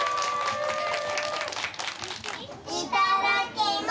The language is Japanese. いただきます。